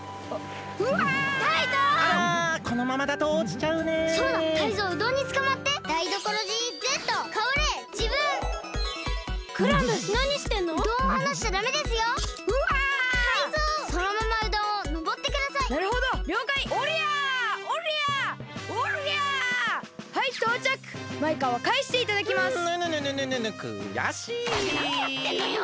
ったくなにやってんのよ！